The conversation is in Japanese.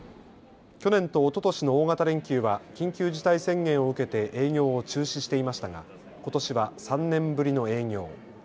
去年とおととしの大型連休は緊急事態宣言を受けて営業を中止していましたがことしは３年ぶりの営業。